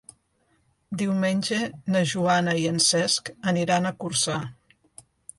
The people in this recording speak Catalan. Diumenge na Joana i en Cesc aniran a Corçà.